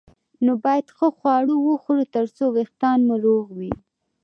نو باید ښه خواړه وخورو ترڅو وېښتان مو روغ وي